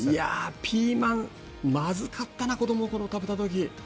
ピーマン、まずかったな子どもの頃食べた時。